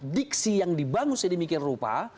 diksi yang dibangun sedemikian rupa